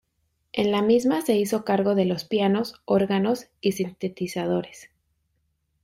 En la misma se hizo cargo de los pianos, órganos y sintetizadores.